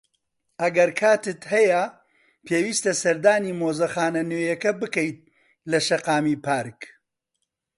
ئەگەر کاتت هەیە، پێویستە سەردانی مۆزەخانە نوێیەکە بکەیت لە شەقامی پارک.